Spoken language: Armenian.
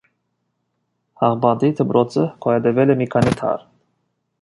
Հաղպատի դպրոցը գոյատևել է մի քանի դար։